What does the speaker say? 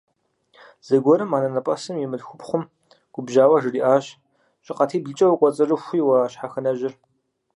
Зэгуэрым анэнэпӀэсым и мылъхупхъум губжьауэ жриӀащ: – ЩӀыкъатиблкӀэ укӀуэцӀрыхуи уэ щхьэхынэжьыр!